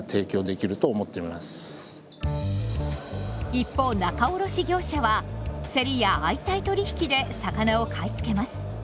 一方仲卸業者はセリや相対取引で魚を買い付けます。